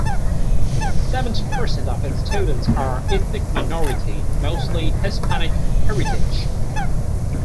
Seventeen percent of its students are ethnic minority - mostly Hispanic heritage.